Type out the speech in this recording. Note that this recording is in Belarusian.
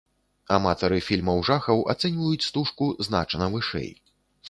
Аматары фільмаў жахаў ацэньваюць стужку значна вышэй.